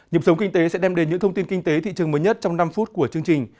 nhiệm sống kinh tế sẽ đem đến những thông tin kinh tế thị trường mới nhất trong năm phút của chương trình